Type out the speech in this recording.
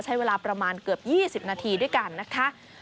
ใช้เวลาประมาณเกือบ๒๐นาทีด้วยกันนะคะ